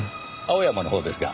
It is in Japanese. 青山のほうですが。